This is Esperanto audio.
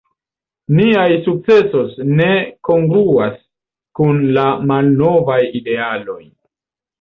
Niaj sukcesoj ne kongruas kun la malnovaj idealoj.